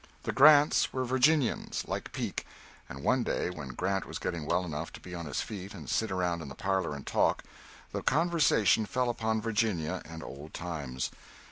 The Grants were Virginians, like Peake, and one day when Grant was getting well enough to be on his feet and sit around in the parlor and talk, the conversation fell upon Virginia and old times.